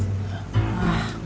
itu supir tuh mau sekuran